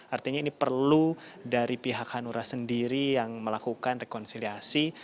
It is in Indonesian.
artinya ini perlu dari pihak hanura sendiri yang melakukan rekonsiliasi